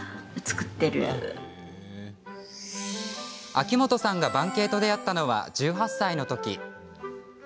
秋元さんが盤景と出会ったのは１８歳のとき。